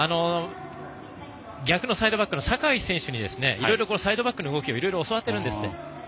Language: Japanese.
逆のサイドバックの酒井選手にいろいろサイドバックの動きを教わっているんですって。